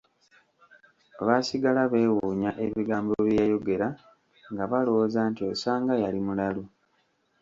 Baasigala beewuunya ebigambo bye yayogera nga balowooza nti osanga yali mulalu.